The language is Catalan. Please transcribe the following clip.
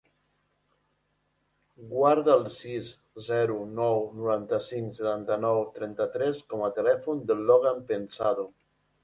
Guarda el sis, zero, nou, noranta-cinc, setanta-nou, trenta-tres com a telèfon del Logan Pensado.